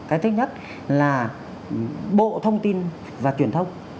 cái thứ nhất là bộ thông tin và truyền thông